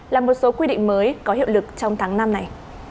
là một số quy định mới có hiệu lực trong tháng năm này